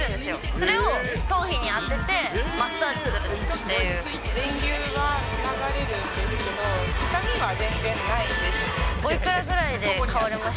それを頭皮に当てて、マッサージ電流は流れるんですけど、痛みは全然ないです。